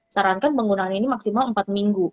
sarankan penggunaan ini maksimal empat minggu